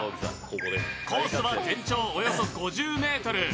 コースは全長およそ５０ｍ。